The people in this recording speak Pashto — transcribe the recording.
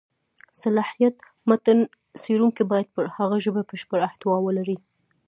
صلاحیت: متن څېړونکی باید پر هغه ژبه بشېړه احتوا ولري.